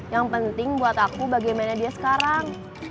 yang penting buat aku bagaimana dia sekarang